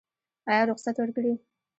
یا رخصت ورکړي.